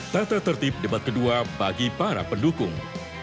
tata tertib debat kedua bagi para pendukung